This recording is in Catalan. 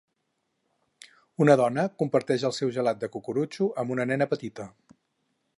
Una dona comparteix el seu gelat de cucurutxo amb una nena petita.